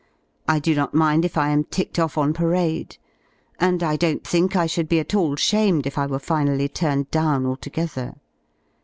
I do not mind if I am ticked off on parade, and I don't think I should be at all shamed if I were finally turned down altogether.